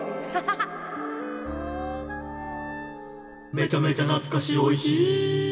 「めちゃめちゃなつかしおいしい」